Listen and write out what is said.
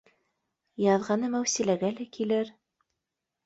Яҙғаны Мәүсиләгә лә килер